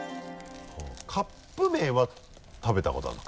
カップ麺は食べたことあるの？